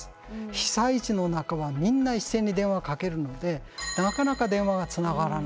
被災地の中はみんな一斉に電話かけるのでなかなか電話がつながらない。